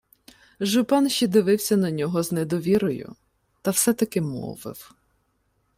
Жупан ще дивився на нього з недовірою, та все-таки мовив: